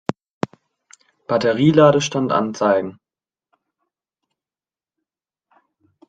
Batterie-Ladestand anzeigen.